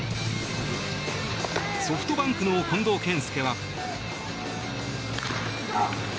ソフトバンクの近藤健介は。